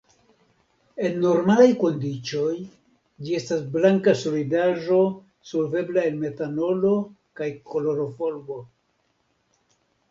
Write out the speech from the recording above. En normalaj kondiĉoj ĝi estas blanka solidaĵo solvebla en metanolo kaj kloroformo.